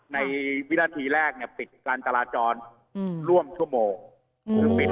วินาทีแรกเนี่ยปิดการจราจรร่วมชั่วโมง